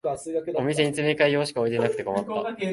お店に詰め替え用しか置いてなくて困った